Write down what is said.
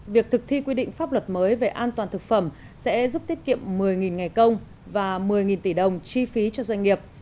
việc thực thi quy định pháp luật mới về an toàn thực phẩm sẽ giúp tiết kiệm một mươi ngày công và một mươi tỷ đồng chi phí cho doanh nghiệp